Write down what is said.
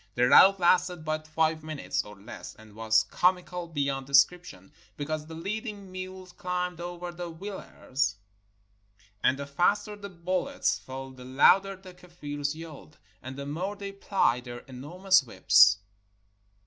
The rout lasted but five minutes or less, and was comical beyond descrip tion, because the leading mules climbed over the wheel ers, and the faster the bullets fell the louder the Kafirs yelled, and the more they plied their enormous whips.